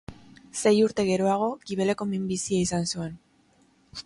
Sei urte geroago, gibeleko minbizia izan zuen.